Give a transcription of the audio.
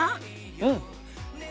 うん。